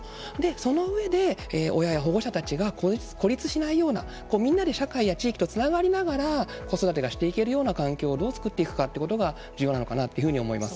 その上で親や保護者たちが孤立しないようなみんなで社会や地域とつながりながら子育てがしていけるような環境をどう作るか重要なのかなというふうに思います。